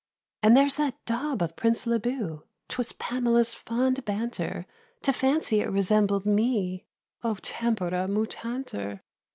And there's that daub of Prince Leboo, 'Twas Pamela's fond banter To fancy it resembled me— "O tempora mutantur!"